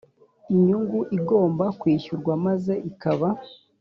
inyungu igomba kwishyurwa maze ikaba